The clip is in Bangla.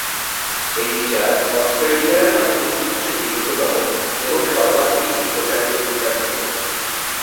এই বিচার অস্ট্রেলিয়ার আইনী ইতিহাসে দীর্ঘতম এবং সর্বাধিক প্রচারিত বিচার ছিল।